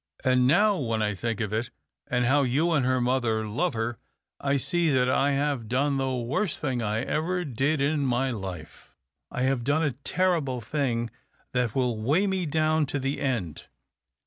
And now, when I think of it, and how you and her mother love her, I see that I have done the worst thing I ever did in my life. I have done a terrible thing that will weigh me down to the end.